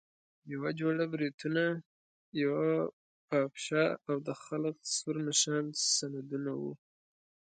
یوه جوړه بریتونه، یوه پاپشه او د خلق سور نښان سندونه وو.